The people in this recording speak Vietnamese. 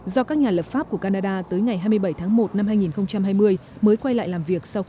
do các nhà lập pháp của canada tới ngày hai mươi bảy tháng một năm hai nghìn hai mươi